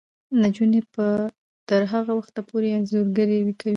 نجونې به تر هغه وخته پورې انځورګري کوي.